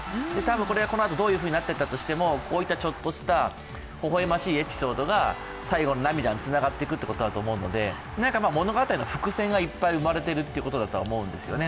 これ、このあとどういうふうになったとしても、ほほ笑ましいエピソードが最後の涙につながっていくということなので物語の伏線がいっぱい生まれているということだと思うんですね。